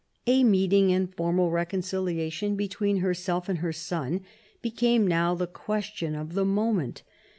A meeting and formal reconciliation between herself and her son became now the question of the moment.